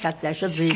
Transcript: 随分。